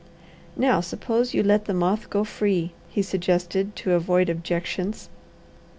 Now suppose you let the moth go free," he suggested to avoid objections.